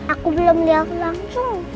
aku belum liat langsung